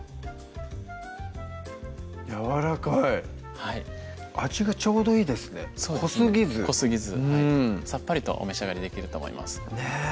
やわらかいはい味がちょうどいいですね濃すぎず濃すぎずさっぱりとお召し上がりできると思いますねぇ